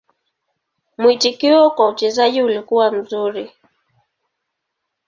Mwitikio kwa uchezaji ulikuwa mzuri.